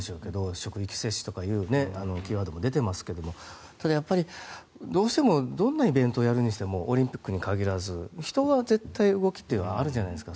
職域接種という際どく出ていますけどただ、やっぱりどんなイベントをするにしてもオリンピックに限らず人は絶対に動きというのはあるじゃないですか。